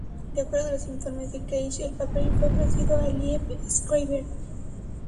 De acuerdo a los informes de Cage, el papel fue ofrecido a Liev Schreiber.